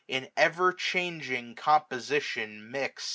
In ever changing composition mixt.